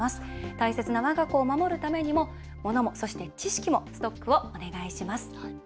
大切なわが子を守るためにも物も、そして知識も、ストックをお願いします。